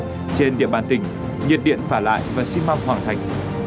trên địa bàn tỉnh nhiệt điện phả lại và xin mong hoàn thành